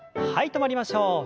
止まりましょう。